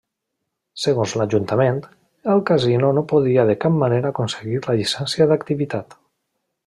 Segons l'ajuntament, el Casino no podia de cap manera aconseguir la llicència d'activitat.